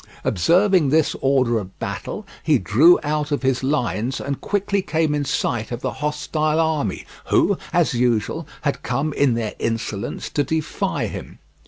Observing this order of battle, he drew out of his lines and quickly came in sight of the hostile army, who, as usual, had come in their insolence to defy him.